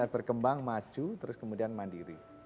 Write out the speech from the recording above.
berkembang maju terus kemudian mandiri